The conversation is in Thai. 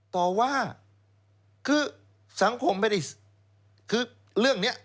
ต่อว่าคือสังคมไม่ได้คือเรื่องนี้